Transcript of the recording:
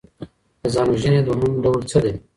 د ځان وژني دوهم ډول څه دی؟